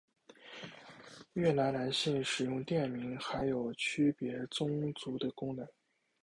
越南男性使用垫名还有区别宗族的功能。